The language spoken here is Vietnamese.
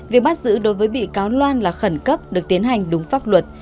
việc bắt giữ đối với bị cáo loan là khẩn cấp được tiến hành đúng pháp luật